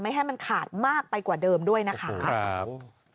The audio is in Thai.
ให้มันขาดมากไปกว่าเดิมด้วยนะคะครับ